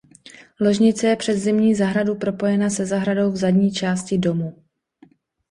Ložnice je přes zimní zahradu propojena se zahradou v zadní části domu.